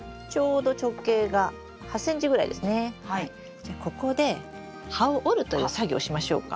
じゃここで葉を折るという作業をしましょうか？